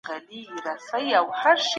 زکات د مال پاکوالی دی.